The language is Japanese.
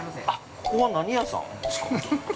◆ここは何屋さん？